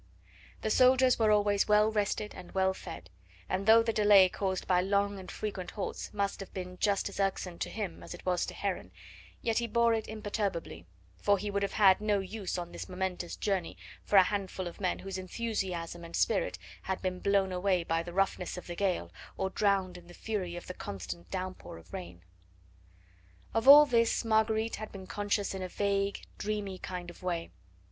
The soldiers were always well rested and well fed, and though the delay caused by long and frequent halts must have been just as irksome to him as it was to Heron, yet he bore it imperturbably, for he would have had no use on this momentous journey for a handful of men whose enthusiasm and spirit had been blown away by the roughness of the gale, or drowned in the fury of the constant downpour of rain. Of all this Marguerite had been conscious in a vague, dreamy kind of way.